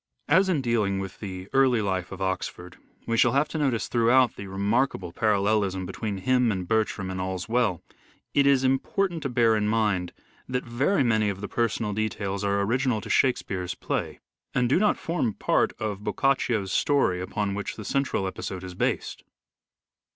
As in dealing with the early life of Oxford we shall " Shake have to notice throughout the remarkable parallelism between him and Bertram in " All's Well," it is im portant to bear in mind that very many of the personal details are original to " Shakespeare's " play, and do not form part of Boccacio'S story upon which the central episode is based.